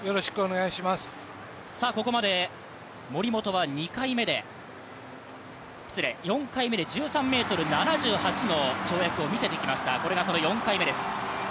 ここまで森本は４回目で１３ｍ７８の跳躍を見せてきました。